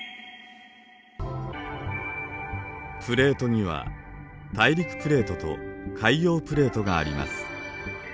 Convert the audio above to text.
プレートには「大陸プレート」と「海洋プレート」があります。